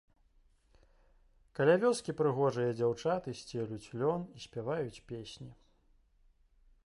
Каля вёскі прыгожыя дзяўчаты сцелюць лён і спяваюць песні.